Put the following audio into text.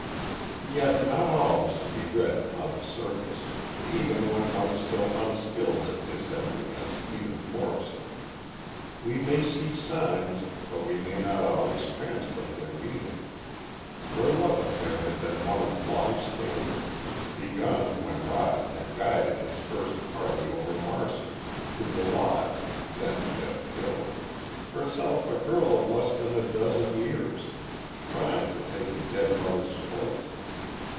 Yet not all is to be read upon the surface, even when one is so unskilled at dissembling as Edith Morrison. We may see signs, but we may not always translate their meaning. Her love affair had been one of long standing, begun when Robin had guided his first party over Marcy to the Lodge, then just built herself a girl of less than a dozen years, trying to take a dead mother's place.